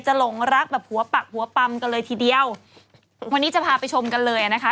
หลงรักแบบหัวปักหัวปำกันเลยทีเดียววันนี้จะพาไปชมกันเลยอ่ะนะคะ